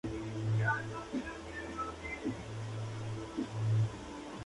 Pasan las horas y ella no llama ni regresa a su casa.